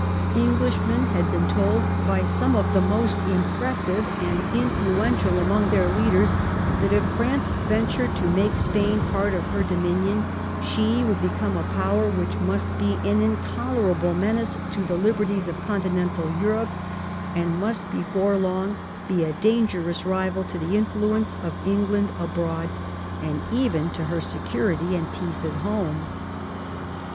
Englishmen had been told by some of the most impressive and influential among their leaders that if France ventured to make Spain part of her dominion she would become a power which must be an intolerable menace to the Uberties of Continental Europe, and must before long be a dangerous rival to the influence of England abroad, and even to her security and peace at home.